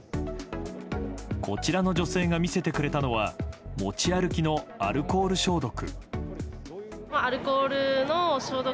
こちらの女性が見せてくれたのは持ち歩きのアルコール消毒。